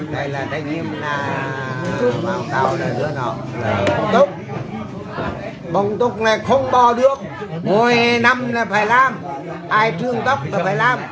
đây là trách nhiệm là bóng túc này không bò được mỗi năm là phải làm ai trương tóc thì phải làm